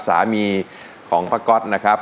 สามีของพระก๊อตนะครับ